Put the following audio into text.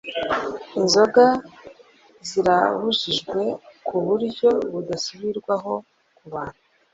Inzoga zirabujijwe ku buryo budasubirwaho ku bantu :